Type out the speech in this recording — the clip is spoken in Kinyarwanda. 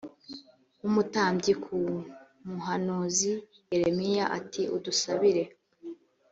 w umutambyi ku muhanuzi yeremiya ati udusabire